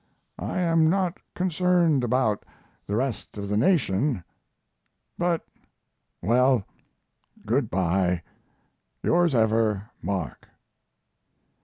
I am not concerned about the rest of the nation, but well, good by. Yours ever, MARK.